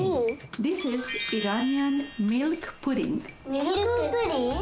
ミルクプリン？